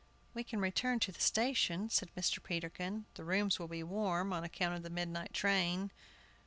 "We can return to the station," said Mr. Peterkin; "the rooms will be warm, on account of the midnight train.